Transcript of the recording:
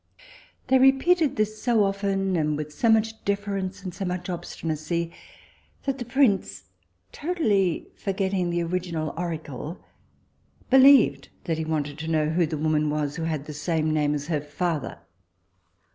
They repeated this so often, and with so much deference and so much obstinacy, that the prince, totally forgetting the original oracle, believed that he wanted to know who the woman was who had the same name as her father.